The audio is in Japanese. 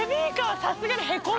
さすがにへこむ。